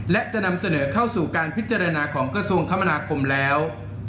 และจะนำเสนอเข้าสู่การพิจารณาของกระทรวงคมนาคมแล้ว